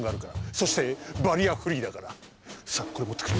そしてバリアフリーだから。さあこれもってくれ。